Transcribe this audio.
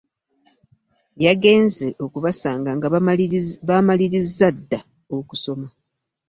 Yagenze okubasanga nga baamalirizza dda okusoma.